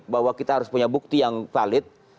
bahwa kita harus punya bukti yang valid